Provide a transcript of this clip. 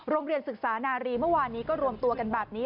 ศึกษานารีเมื่อวานนี้ก็รวมตัวกันแบบนี้